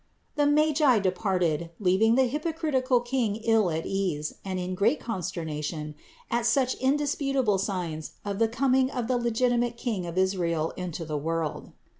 The Magi de parted, leaving the hypocritical king ill at ease and in great consternation at such indisputable signs of the com ing of the legitimate King of Israel into the world.